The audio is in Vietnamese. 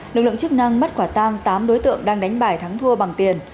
lực lượng chức năng bắt quả tang tám đối tượng đang đánh bài thắng thua bằng tiền